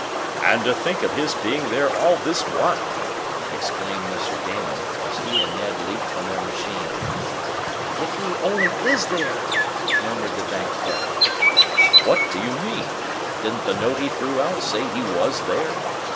"And to think of his being there all this while!" exclaimed Mr. Damon, as he and Ned leaped from their machine. "If he only is there!" murmured the young bank clerk. "What do you mean? Didn't the note he threw out say he was there?"